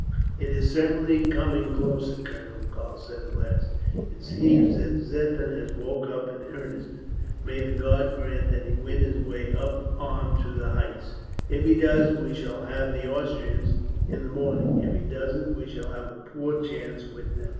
"It is certainly coming closer, colonel," Karl said at last. "It seems that Ziethen has woke up in earnest. May the good God grant that he win his way up on to the heights!" "If he does, we shall have the Austrians, in the morning. If he doesn't, we shall have a poor chance with them."